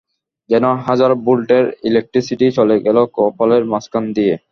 যেন হাজার ভোল্টের ইলেকট্রিসিটি চলে গেল কপালের মাঝখান দিয়ে।